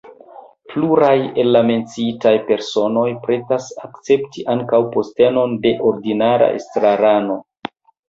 Pluraj el la menciitaj personoj pretas akcepti ankaŭ postenon de ordinara estrarano.